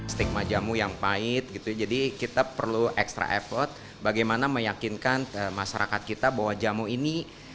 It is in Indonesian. stigma jamu yang pahit gitu jadi kita perlu extra effort bagaimana meyakinkan masyarakat kita bahwa jamu ini